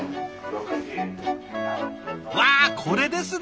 わあこれですね！